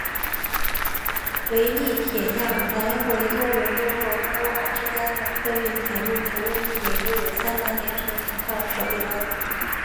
维亚铁路来回多伦多和温哥华之间的客运铁路服务亦每周有三班列车停靠帕里湾。